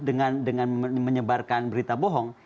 dengan menyebarkan berita bohong